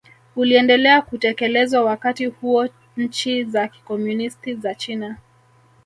uliendelea kutekelezwa Wakati huo nchi za kikomunisti za China